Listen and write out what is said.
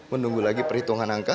menunggu lagi perhitungan angka